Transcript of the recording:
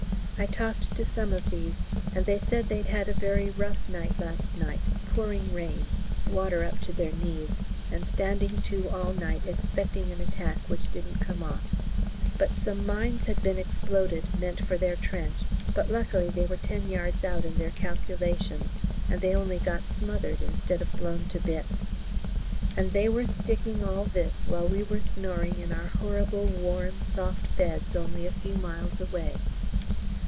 I talked to some of these, and they said they'd had a very "rough" night last night pouring rain water up to their knees, and standing to all night expecting an attack which didn't come off; but some mines had been exploded meant for their trench, but luckily they were ten yards out in their calculations, and they only got smothered instead of blown to bits. And they were sticking all this while we were snoring in our horrible, warm, soft beds only a few miles away.